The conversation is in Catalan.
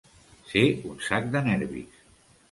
Ser un sac de nervis.